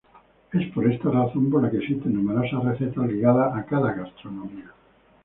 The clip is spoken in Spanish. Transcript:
Es por esta razón por la que existen numerosas recetas ligadas a cada gastronomía.